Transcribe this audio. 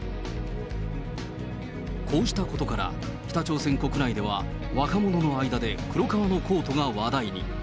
こうしたことから、北朝鮮国内では若者の間で黒革のコートが話題に。